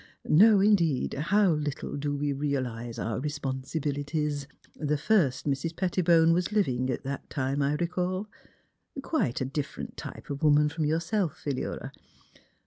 No, indeed, how little do we realize our responsibilities. The first Mrs. Pettibone was living at that time, I recall; quite a different type of woman from yourself, Philura.